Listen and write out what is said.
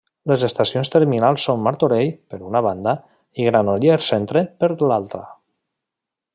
Les estacions terminals són Martorell, per una banda, i Granollers Centre, per l'altra.